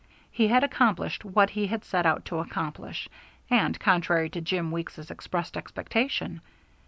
He had accomplished what he had set out to accomplish, and contrary to Jim Weeks's expressed expectation.